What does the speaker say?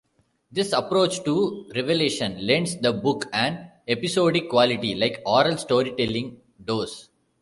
This approach to revelation lends the book an episodic quality, like oral storytelling does.